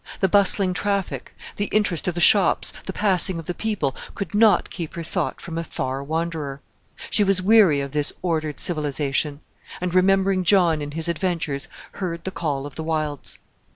The bustling traffic, the interest of the shops, the passing of the people, could not keep her thought from a far wanderer. She was weary of this ordered civilization; and remembering John in his adventures heard the call of the wilds.